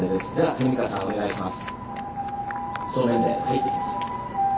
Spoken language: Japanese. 蝉川さん、お願いします。